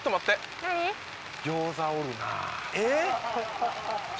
えっ？